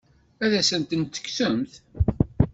Ad as-tent-tekksemt?